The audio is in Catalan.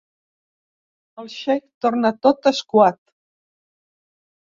El xeic torna tot escuat.